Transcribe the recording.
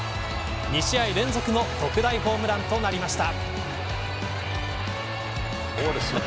２試合連続の特大ホームランとなりました。